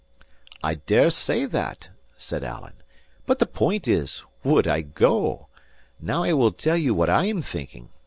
"I dare say that," said Alan; "but the point is, Would I go? Now I will tell you what I am thinking.